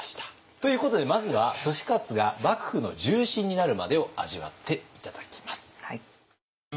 ということでまずは利勝が幕府の重臣になるまでを味わって頂きます。